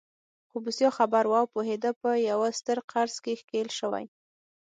خو بوسیا خبر و او پوهېده په یوه ستر قرض کې ښکېل شوی.